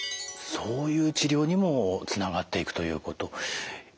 そういう治療にもつながっていくということ。